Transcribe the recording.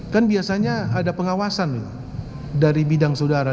kan biasanya ada pengawasan dari bidang saudara